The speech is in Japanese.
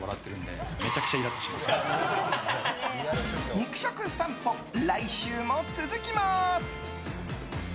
肉食さんぽ、来週も続きます。